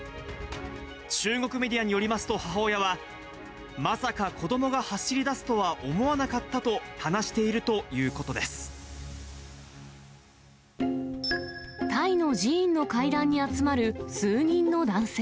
中国メディアによりますと、母親は、まさか子どもが走りだすとは思わなかったと話しているということタイの寺院の階段に集まる数人の男性。